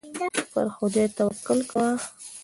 پر خدای توکل کوه.